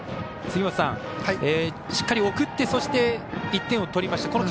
しっかり送ってそして、１点を取りました。